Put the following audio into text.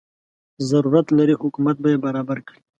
ضرورت لري حکومت به یې برابر کړي.